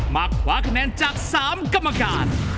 มาคว้าคะแนนจาก๓กรรมการ